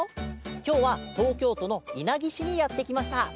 きょうはとうきょうとのいなぎしにやってきました。